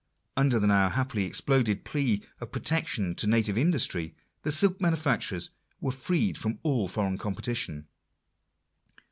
Under the now happily exploded plea of protection to native industry, the silk manufacturers were freed from all foreign competition.